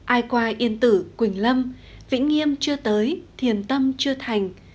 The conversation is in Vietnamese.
ai qua yên tử quỳnh lâm vĩnh nghiêm chưa tới thiền tâm chưa thành